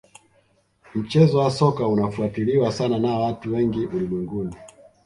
mchezo wa soka unafuatiliwa sana na watu wengi ulimwenguni